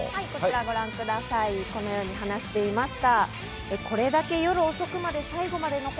ご覧ください、このように話していました。